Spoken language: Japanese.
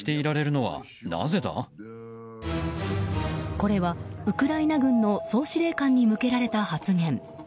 これはウクライナ軍の総司令官に向けられた発言。